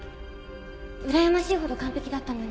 うらやましいほど完璧だったのに。